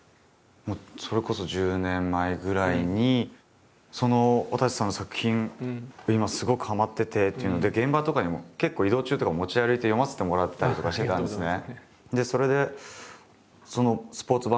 もうそれこそ１０年前ぐらいに「わたせさんの作品今すごくはまってて」っていうので現場とかにも結構移動中とか持ち歩いて読ませてもらったりとかしてたんですね。